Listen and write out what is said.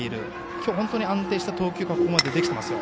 今日は本当に安定した投球がここまでできていますよ。